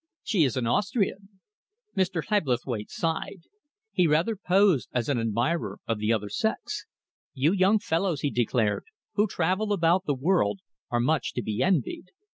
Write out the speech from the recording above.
"She is an Austrian." Mr. Hebblethwaite sighed. He rather posed as an admirer of the other sex. "You young fellows," he declared, "who travel about the world, are much to be envied.